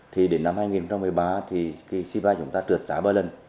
thì đến năm hai nghìn một mươi ba thì chi vai chúng ta trượt giá ba lần